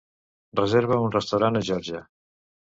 reserva un restaurant a Georgia